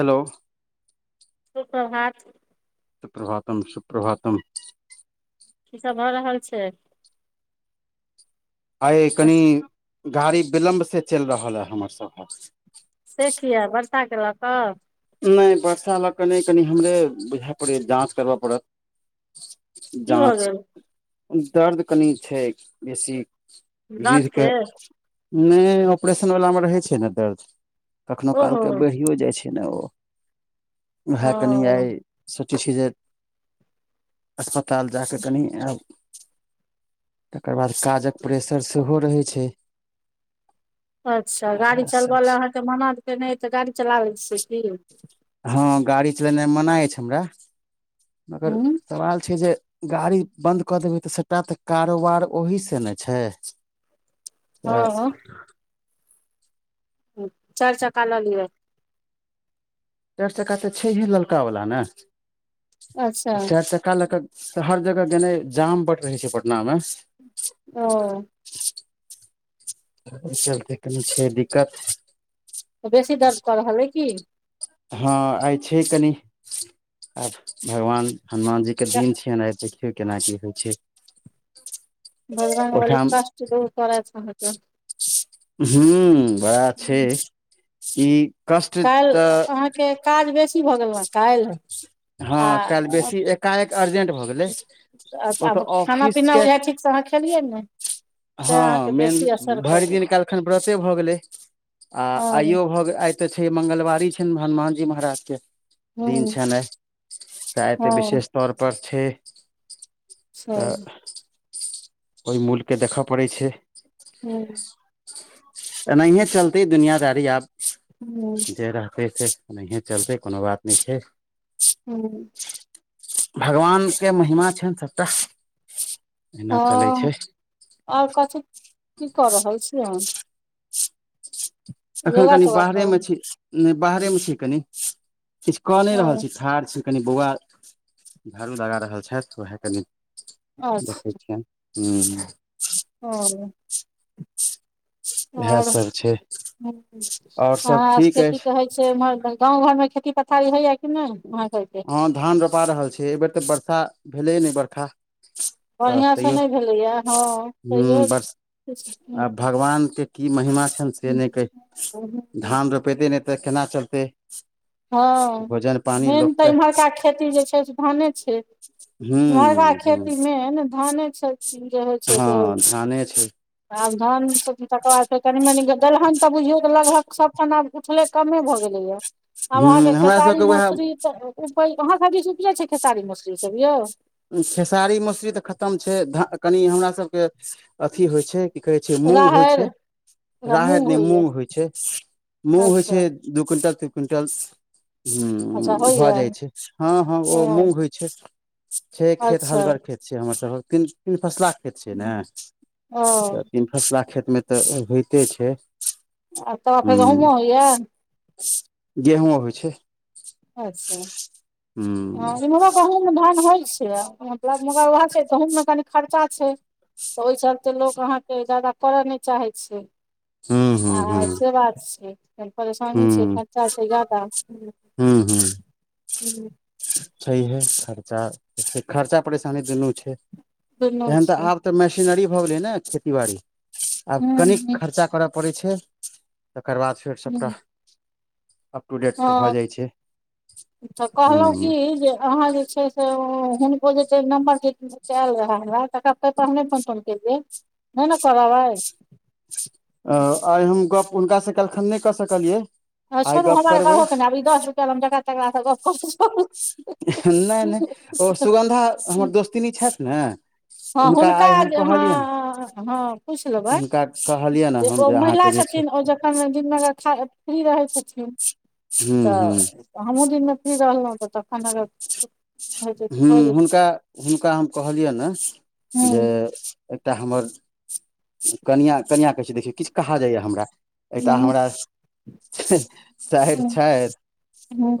Hello सुप्रभात सुप्रभातम सुप्रभातम। की सब भऽ रहल छै? आय कनी गाड़ी विलम्ब से चलि रहल ए हमर सभक। से कियै बर्षा के ल कऽ? नै वर्षा लऽ कऽ नै कनि हमरे बुझे पड़ैयै जाँच करबय पड़त। की भऽ जाँच गेल दर्द कनि छै बेसी। दाँत रीढके के नै ऑपरेशनवलामे रहै छै ने दर्द। कखनो ओहो कालके बढ़ियो जाइ छै ने ओ। ओ ओहे कनि आइ सोचै छी जे अस्पताल जा कऽ कनि आब तकर बाद काजक प्रेसर सेहो रहै छै। अच्छा गाड़ी चलब लए अहाँके मना खेने अइ तऽ गाड़ी चलालै छियै की? हँ गाड़ी चलेनाइ मना अछि हमरा मगर हूँ सवाल छै जे गाड़ी बन्द कऽ देबै तऽ सभटा तऽ कारोबार ओहि से ने छै। त हँ चारि चक्का ल लिय। चारि चक्का तऽ छै हे, ललका वाला ने, अच्छा चारि चका चारि चक्का लएक, हर जगह गेनाए, जाम बट रहे छै पटना मे। ओ। ओहि चलते कनि छै दिक्कत। त बेसी दरद कर रहलल अय कि? हँ, आइ छै कनि, आब भगवान! हनुमान जी के दिन छियेन, आ देखियौ केना की होइ छै। बजरंगबली कष्ट दुर करैथ आहा के। हू बड़ा छै, ई कष्ट काल्हि तऽ अहाँके, काज बेसी भऽ गेल ने काल्हि। आ हँ, काल्हि बेसी एकाएक अर्जेंट भऽ गेलै। आब ओतऽ खाना ऑफिस -पीना आहा के बुझाइया ठीक स अहाँ खेलियै ने? से हँ, अहाँके मेन बेसी असर भरि कयलै दिन कहलखन व्रते भऽ गेलै, आ हँ आइयो भऽ गेल, आइ तऽ छै, मंगलवारी छैन, हनुमान जी महाराज के। दिन हूँ छैन आए, ते हँ विशेष तौर पर छै। सही तऽ, ओहि मूलके देखय पड़ैत छै। हूँ। एनहिए चलतै, दुनिया दारी आब। हँ। जे रहतै से ओनाहिए चलतै, कोनो बात नहि छै। हूँ। भगवान के महिमा छैन सभटा, जेना चलै छै। आर कथ, की क रहल छी अहाँ? अखन योगा कनि तोगा बाहरे कर मे छी, नहि बाहरे मे छी कनी, किछु क नहि रहल हँ छी, ठाढ़ छी। कनि बौआ झाड़ू लगा रहल छथि, वएह कनि देखै छियनि। हू। ह। इएह आओर सब छै ह आओर सब ठीक अहाँके की अछि कहै। से उमहर, गाँंव घर मे, खेती पथारी होया कि नहि, उम्हर। हँ धान रोपा रहल छैय, एहि बेेर तऽ वर्षा भेलै नहि बरषा। तऽ बढ़िआँ से तैयौ नहि भेलैए हँ ह, तैयो बस किछु आ भगवानके। की महिमा छनि से नहि कहै, धान रोपेतै नहि तऽ केना चलतै? हँ भोजन पानी मेन तऽ लोकके इम्हरका खेती जे छै, से धाने छै। हूँ इम्हरका हूँ खेती मेन धाने छै, जे होइ छै से हँ होइ छै। धाने छै आब धान तकर बाद फेर कनि- मनी दलहन तऽ बुझियौ, लगभग सभ ठाम आब उठले कमे भऽ गेलैएा। आब हूँ अहाँके हमरा खेसारी सबके उएह मसुररी तऽ, अहाँ सब बी उपजै छै, खेसारी मौसुररी सब यौ? खेसारी मसुररी तऽ खतम छै, ध कनि हमरा सबके अथी होइ छै। की कहै छै, मूँग होइ छै, राहरि ओकरा राहति नहि, होइया मूँग होइ छै, मूँग होइ अच्छा छै। दू क्विंटल, तीन क्विंटल अच्छा ह भऽ होइया जाय छै, हँ -हँ ओ मूंग होइ छै। छ छै खेत, अच्छा हलगर खेत छै हमर सबके, तीन-तीन फसला खेत छै ने, ओ तऽ तीन फसला खेतमे तऽ होइते छै। आ तकर ह फेर गहूँमो होइया [inaudible] गेहूँ अबै छै। अच्छा! हँ हुँ इम्हर गहूममे धान होइ छै, मतलब मगर उएह छै, गहूँममे कनी खर्चा छै। ओहि चलते लोक अहाँके जादा कर नै चाहैत छै। हुँ हुँ हुँ आ से बात छै। परेशानी छै, हुँ खर्चा छै जादा। हुँ हुँ छैहे खर्चा। खर्चा परेशानी दुनू छै दुनू एहन छै तऽ आब त मेशनरि भऽ गेलै ने खेती बारी आब हूँ कणिक हूँ खर्चा कर पड़ै छै तकर बाद फेर सभटा हूँ अप टू डेट भऽ हँ जाइ छै तऽ कहलौव की हुँ जे अहाँ जे छै से ओ हुन ओ जे छै नंबर जे से एल रेहेहमरा तकरा तै पर हम नै फोन - तोन केलिए। नै न करब आय। अ आय हम गप्प हुनकासँ कैलखन नै कऽ सकलियै। आ आइ छोरू गप हमरा करबै करहो के ने आब ई दस रुपये ल हम जकड़ा तकरा स गप क नय -नय ओ सुगन्धा हमर दोस्तिन छैथ ने। हँ हुनका आइ हम जे कहलियनि अहाँ, हँ पुइछ लेबैन हुनका कहलियनि जे हम ओ अहाँके महिला जे छ। छै थीन ओ जखन दिनगर खा फ्री रहै छथिन। हूँ हूँ तऽ हमहूँ दिन में फ्री रहलउ तऽ तखन अगर होइ छै तऽ हु भऽ गेल हुनका-हुनका हम कहलियेनहे, ह जे एकटा हमर कनियां-कनियां कहै छै देखियौ किछ कह जाइए हमरा। एतऽ हमरा सैर ह छैथ,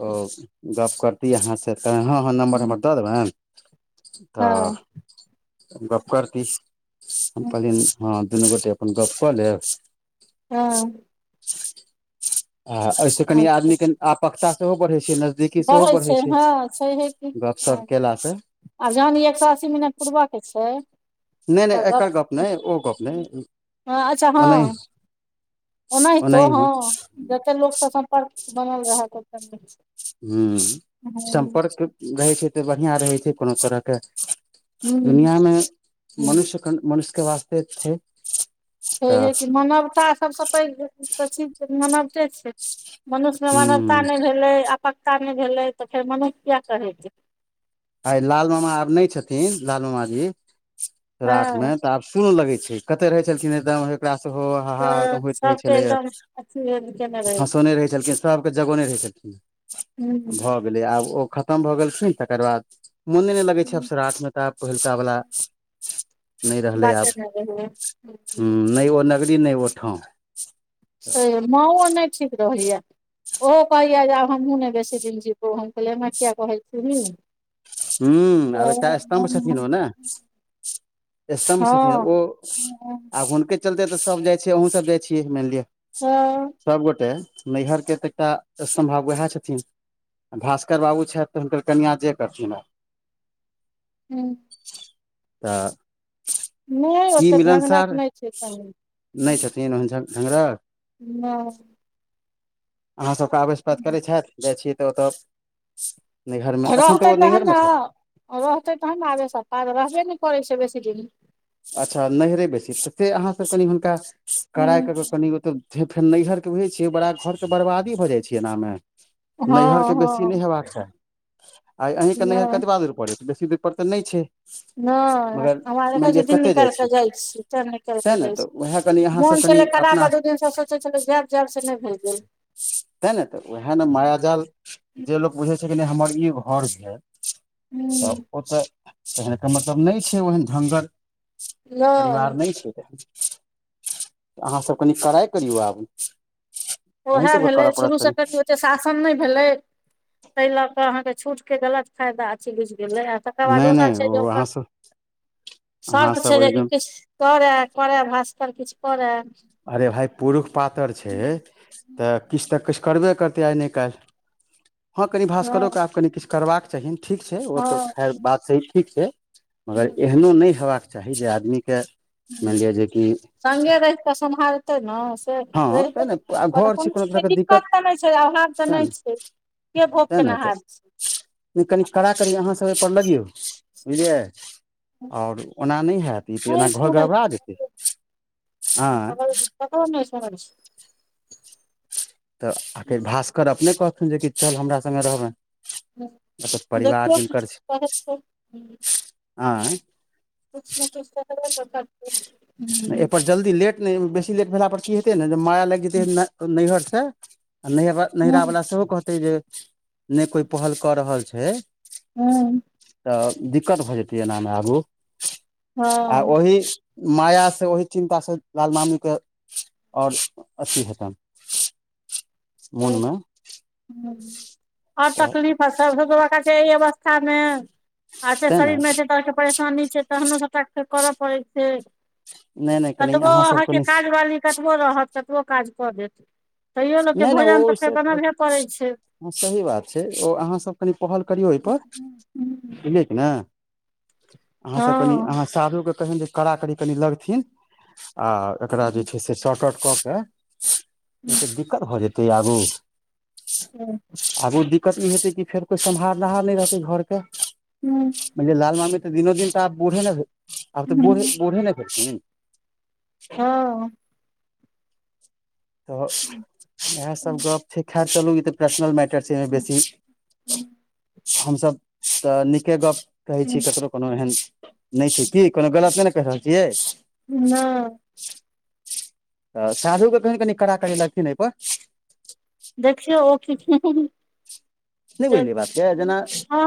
ओ गप करती अहाँ स तऽ ह फोन नम्बर हमर दऽ देबैन, हँ तऽ गप्प करती हम कहली हँ दुनू गोटे अपन गप कऽ लेब। हँ। आ एहिसँ कनि अच्छा आदमीके आपकता सेहो बढ़ै छै, न दीकी सेहो बढ़ै छै हँ छैहे की हँ गपशप केलासँ। आब जहन ई एक सो अस्सी मिनट पूरबय के छै, नहि नहि त गप, एकर नहि ओ गप नहि अच्छा ओनाहि हँ। ओनाहितो ओनाहि हँ हम जते लोकस सम्पर्क बनल रहत ओतेक निक छै। हु हँ सम्पर्क रहै छै तऽ बढ़िआँ रहै छै, कोनो तरह के हूँ दुनिआँ मे हूँ मनुष्य अखन मनुष्य के वास्ते छै। छैहे तऽ कि मानवता सभ स पैघ तऽ चीज मानवते छै। मनुष्य में मानवता ह नै भेलै, आपकता नै भेलै, तऽ फेर मनुष्य किये कहेतै। आय लाल मामा आब नै छेथिन, लाल मामा जी सराठ हँ मे। तऽ आब सुन लगै छै, कते रहै छलखिन हैरदम ओकरा सेहो हाहा तऽ एकदम होइत रहे सभके छलैये। एकदम अथी केने रहै हँसोने रहै छलखिन सबके जगौने रहै छलखिन। हू-हु। भैलै आब ओ खतम भऽ गेलखीन तकर बाद मोने नै लगै छै आब श्राध मे तऽ आब पहिलता वाला नहि रहलै आब, बाते नहि हु रहैये नै ओ नगरी नै ओ ठाम। छैहे माँओ नै ठीक रहैये। ओहो कहैये जे आब हमहूँ ने बेसी दिन जीबो हम कहलै एना किये कहै छीही। हू आब एकटा स्तम्भ छथिन हँ ओ ने। स्तम्भ छथिन ओ, हँ आ हुनके चलते तऽ सभ जाय छिये अहु सब जाइ छियै, मैन लिय। हँ सभगोटे नैहर के तऽ एकटा स्तम्भव उहे छै। भास्कर बाबू छैथ तऽ हुनकर कनिआँ जे करथिन। हू। तऽ नहि की ओते ढंगरक मिलनसार नहि छै कनी नहि छथिन, झगड़ा हाँ। अहाँसभ के आवेशपात करैत छथि जाइ छी तऽ, ओतय नैहर में, एखन रहतै तऽ ओ तहन ने नैहरमे छथि। रहतै तखन ने आवेश आ पात, रहबे नहि करै छै बेसी दिन। अच्छा नहिरे बेसी, तऽ से अहाँसभ कनि हुनका कड़ाइ हँ करै कऽ कनि तऽ फेर नैहरके बुझै छियै बड़ा, घरके बर्बादी भऽ जाइ छै एनामे। नैहर के बेसी हँ नहि हेबाक चाही, आइ अहीं के नैहर नहि कतबा दूर पड़ैत छै बेसी दूर पर तऽ नहि छै। नहि मगर हमरा देखे मानि छियै। लिअ दिन कतय निकालि छियै के जाइ छी त निकालि के सएह ने जाय तऽ छी, उएह कनि अहाँसभ मोन कनि छलै खराब आ अपना दू दिन से सोचै छलियै जायब जायब से नहि भेल गेल। ते ने तऽ वैह ने माया जाल जे लोक बुझे छै हमर ई घर जे तऽ नहि ओतऽ तखैन त मतलब नहि छै ओहन ढङ्गर। परिवार नहि छै तखैन। अहाँ सभ कनि कड़ाई करियौ आब। अहीं ओहे सभके भेलै करय पड़त शुरू से कनि करतियौ ते शासन नै भेले तै लऽ कऽ अहां के छुट के गलत फाइदा छै बुझने। तकर बाद नहि दोसर नहि छै जे ओ ओकर अहाँसभ शर्त छै अहाँसभ जे एकदम किछ करै करै भास्कर किछ करै। अरे भाय पुरुष पातर छै तऽ किछ तऽ किछ करबे करतै आय ने काइल, हं कनि भास्करो हँ के आब कनि किछ करबाक चाही, ठीक छै ओ त हँ खैर बात ठीक छै, मगर हूँ, एहनो नहि हेबाक चाही जे आदमी के मानि हूँ। लिअ जे कि संगे रहिके सम्हार तै ने से हँ तेँ रहितै आ ने घर छै कोनो चीज के तरहके दिक्कत तऽ नहि छै, अभाव तऽ तेँ ने नहि छै। के भोग तेँ ने केनहार छै। कनि कड़ा कड़ी अहाँसभ ओहिपर लगियौ बुझलियै। आओर ओना नहि हैत, ई तऽ एना नहि घर सुनै गड़बड़ा छै जेतै, ककरो आँय। ककरो नहि समय छै। तऽ आखिर भास्कर अपने कहथुन जे कि चल हमरा संगे रहबै। मतलब परिवार देखियौ जिनकर किछु छी, कहतै आँय किछु न किछु त करबे करतैत। नै एहि पर जल्दी लेट नहि, बेसी लेट भेला पर की हेते ने जे माया लाइग जेतै हुँ नैहर से आ नैहर हुँ नैहरावला सेहो कहतै जे नहि कोइ पहल क रहल छै हँ त दिक्कत भ जेतै एनामे आगू। आ हूँ। ओहि माया ओहि चिन्ता से लाल मामी के और अथि हेतैन। मोन में। हं आओर तकलीफ आ सभ छै एहि अवस्थामे आ त तें ने शरीर में एतेक तरहके परेशानी छै तखनो सबटा फेर करऽ पड़ै छै। नहि नहि कनि कतबो अहाँ सब अहाँके कनि काजवाली कतबो रहत कतबो काज क देत तैयो ने नहि नहि भोजन त फेर से बनबैये पड़ै छै। ओ सही बात छै ओ अहाँसभ कनि पहल करियौ ओहिपर। हँ बुझलियै की ने, अहा सब कनीं हँ साढू के कहियोन जे कड़ा कड़ी कनि लगथिन आ एकरा जे छै से शॉर्ट आउट क के- - ई त दिक्कत भ जेतै आगू- - छः - - आगू दिक्कत नहि हेतै कि फेर कोई समा नहार नहि रहतै घर के- - नहि- - यैई लाल मामी त दिनो दिन त आब बूढ़े नहि भे आब बढ़े बूढ़े नहि भेलखिन। त इहे सब गोप हेते। खेर चलू ई त पर्सनल मैटर छै ऐमे बेसी - - हमसभ त नीके गप कहै छिय ककरो। कोनो एहन नहि छै की कोनो गलत नहि ने रहल छियै। ‌। ‌‌ नँ- - त साढू के कहियोन कनि कड़ा करी लगथिन एयपर- - देखियौ ओ किछ- - नहि बुझलिय बातके जेना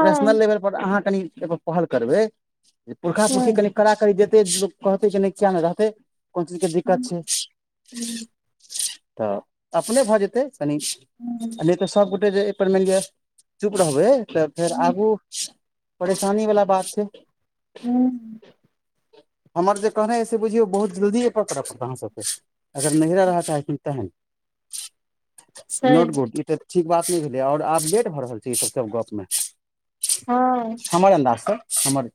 प्रशनल लेवलपर अहां कनि एहिपर पहल करबै- - जे पुरखा छै पुरखी कनि कड़ा कड़ी देतै लोक कहतै नहि किएक नहि रहतै। कोन चीज के दिक्कत हँ छै त अपने भ जेतै कनी- - नहि त सभगोटे जे अयै पर मनि लिअ चुप रहबै त फेर आगू- - परेशानी बला बात छै। हूं- - हमर जे कहने अछि से बुझयो, बहुत जल्दी पकड़ पड़त अहाँसभकेँ अगर नहिहरा रहय चाहै छतिन तहेन-, - ह नोट बोड कि भेल- - ठीक बात नहि भेलै आओर आब लेट भऽ रहल छै ई सब सब गपमे- - हं- - हमर अन्दाजस हमर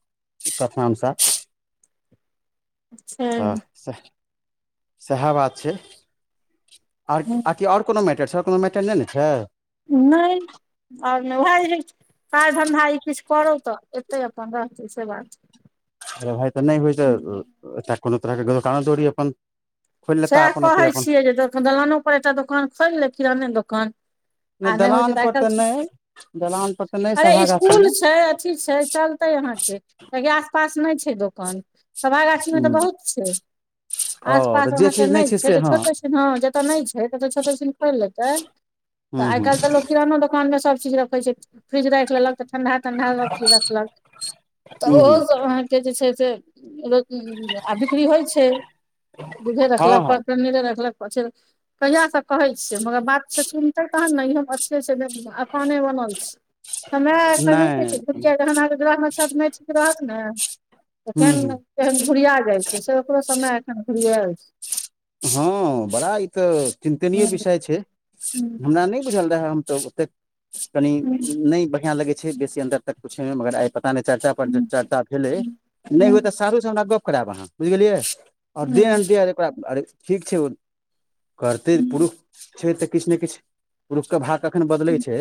कथम सह- - छै त सै सैहे बात छै, आर -आर- - की और कोनो मैटर छ कोनो मैटर नहि ने छै। नेय - - और ने उहे इही काज धन्धा ई किछु करू तऽ एतै अपन रहतै से बात- - प्रभाई तऽ नहि होइ तऽ कोनो तरह के कानो दौड़ी अपन- - सएह कहै छियै जे ख दलानो पर एकटा दोकान खोल ले किराने दोकान- - आ नहि होइ छै, दलान एल पर टेल तऽ छै, नहि दलान पर तऽ नहि अरे सभा गाछी इसकुल मे छै, अथी छै चल- - ते अहाँके दै त कोइ आस -पास नहि छै, दोकान- - सभा गाछी में तऽ बहुत छै ओ आज- - ई सब तऽ जे अहाँ के चीज नहि छै से तऽ हँ छोटे छै न जतऽ नहि छै ततऽ छोटे सिन खोलि लेतै- - हुं - - आइ काइल त लोग वैहे दोकान में सब चीज रखे छै, फ्रिज राख लेलक- - त ठंडा -ठंडा ओथी रखलक त हूँ ओहो हूँ सब अहाके- - के जे छै से आ बिक्री होइ छै। दूधे हँ रखलख प हँ पनिरे रखलाख पर छे - - कहिया से कहै छियै मगर बात छै सुनते तहन ने इह हम अथिये से जेअकाने बनल छि। समय अखेन नेय न नहि छै गुड़िया गहना दुरागवन छट नेय छै रहत ने- - हूँ हूँ केहेन- केहेन धूरिया जाइ छै से ओकरो समय एखन भुरआएल छै। हँ, बड़ा ई तऽ चिन्तनीय हूँ विषय छै, हूँ हमरा नहि बुझल रहए हम तऽ- - त कनि हूँ नहि बढ़िया लगे छै बेसी अन्दर तक पूछे मे मगर आई पता नै चर्चा पर जे हूँ चर्चा भेलै हूँ नै हूँ हुए तऽ सारूह सँ हमरा गप्प करायेब आहाँ बुइझ गेलियै। और हूँ हूँ दें दे ओकरा अरे ठीक छै ओ करतेै हूँ पुरुख। छै तऽ किछ ने किछ रुख के भाग कखन बदलै हूँ छै।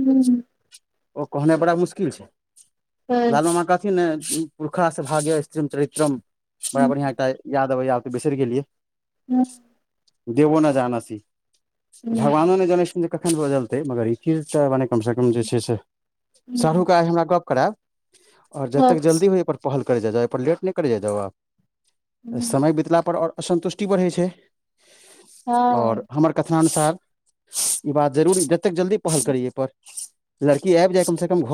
हूँ ओ कहना बड़ा मुश्किल छै लालू माँ कहथिन ने- पुरखास से भागे स्त्रीम चरित्रम बड़ा बढ़ियां एकटा याद आबेै या आब तऽ बिसैर गेलियै। हँ। देबो ने जानअसी हूँ भगवान नेै जानैस थिन जे। कखन बदलतै मगर ई चीज तऽ मने कम सँ कम जे छै से शरुका आय हमरा गप कराएब? और जतेक जल्दी मे एयपर पहल करय जाय जाउ एयपर लेट नै करय जाय जाउ आब। समय बितला पर और असन्तुष्टि बढ़ै छै। और हूँ हमर कथनाननुसार ई बात जरुर जतेक जल्दी पहल हँ करी एयपर। लड़की आइब जाय कम से कम घर।